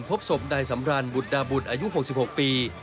พบสบใดสำรรถบุดดาบุตต์อายุหกสิบหกปี